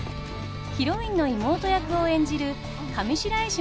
ヒロインの妹役を演じる上白石